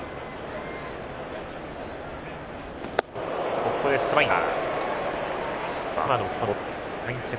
ここでスライダー。